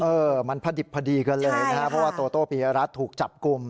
เออมันพอดิบพอดีกันเลยนะครับเพราะว่าโตโต้ปียรัฐถูกจับกลุ่ม